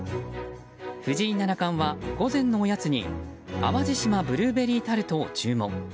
藤井七冠は、午前のおやつに淡路島ブルーベリータルトを注文。